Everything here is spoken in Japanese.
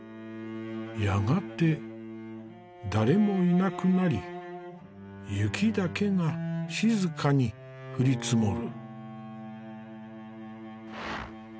やがて誰もいなくなり雪だけが静かに降り積もる。